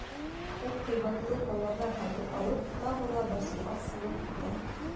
Ул, ҡыйбатлы тауарҙар һатып алып, тағы ла Басраға сығып китә.